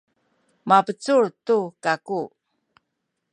mabecul tu kaku.